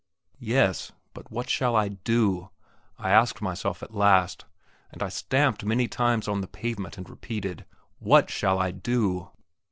Yes; but what shall I do? I asked myself at last, and I stamped many times on the pavement and repeated, What shall I do?